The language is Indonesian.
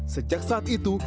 sejak saat ini